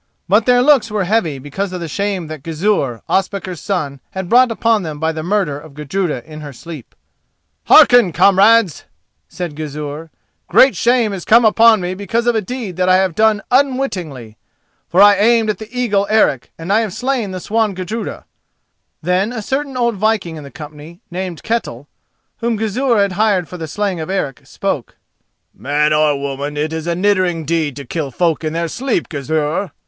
But their looks were heavy because of the shame that Gizur, Ospakar's son, had brought upon them by the murder of Gudruda in her sleep. "Hearken, comrades!" said Gizur: "great shame is come upon me because of a deed that I have done unwittingly, for I aimed at the eagle Eric and I have slain the swan Gudruda." Then a certain old viking in the company, named Ketel, whom Gizur had hired for the slaying of Eric, spoke: "Man or woman, it is a niddering deed to kill folk in their sleep, Gizur!